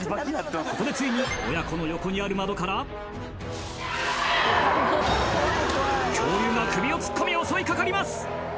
ここでついに親子の横にある窓から恐竜が首を突っ込み襲いかかります